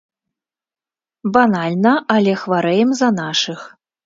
Банальна, але хварэем за нашых.